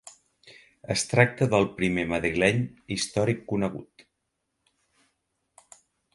Es tracta del primer madrileny històric conegut.